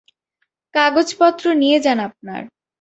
কাগজপত্র নিয়ে যান আপনার।